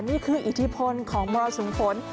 นี่คืออิทธิพลของมรสูงฝน